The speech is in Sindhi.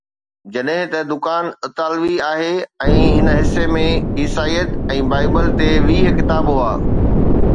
جڏهن ته دڪان اطالوي آهي ۽ هن حصي ۾ عيسائيت ۽ بائيبل تي ويهه ڪتاب هئا